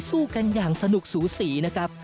สู้กันอย่างสนุกสูสีนะครับ